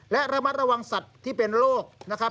และระมัดระวังสัตว์ที่เป็นโรคนะครับ